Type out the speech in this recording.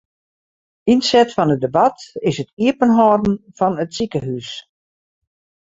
Ynset fan it debat is it iepenhâlden fan it sikehús.